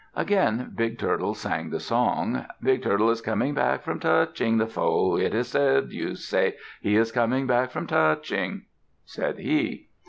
Again Big Turtle sang the song. "Big Turtle is coming back from touching the foe, it is said, you say. He is coming back from touching," said he.